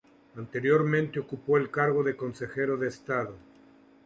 Anteriormente ocupó el cargo de consejero de Estado.